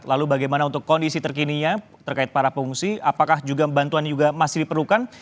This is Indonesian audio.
lalu bagaimana untuk kondisi terkininya terkait para pengungsi apakah juga bantuan juga masih diperlukan